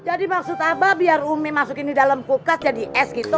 jadi maksud abah biar ummi masukin di dalam kulkas jadi es gitu